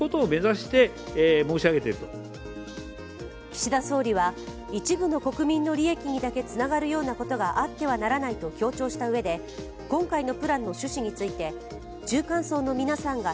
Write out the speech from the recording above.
岸田総理は一部の国民の利益にだけつながるようなことがあってはならないと強調したうえで、今回のプランの趣旨について、中間層の皆さんが